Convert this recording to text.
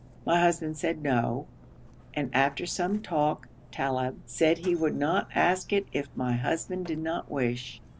My husband said 'No,' and after some talk Talib said he would not ask it if my husband did not wish.